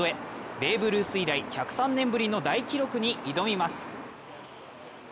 ベーブ・ルース以来１０３年ぶりの大記録に挑みます。